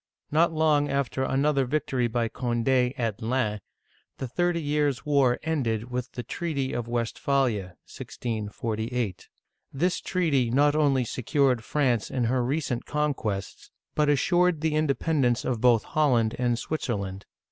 Not long after another victory by Cond6 at Lens (laN), the Thirty Years' War ended with the treaty of Westpha'lia (1648). This treaty not only secured France in her recent conquests, but assured the independence of both Holland and Switzerland.